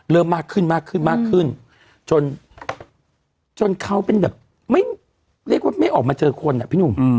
เริ่มมากขึ้นจนเขาเป็นแบบเรียกว่าไม่ออกมาเจอคนอ่ะพี่หนุ่ม